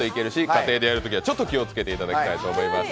家庭でやるときにはちょっと気をつけていだきたたいと思います。